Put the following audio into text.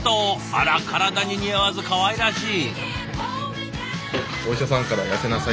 あら体に似合わずかわいらしい。